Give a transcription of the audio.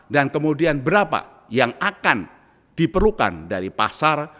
dan kemudian berapa yang akan diperlukan dari pasar